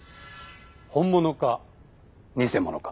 本物か偽物か。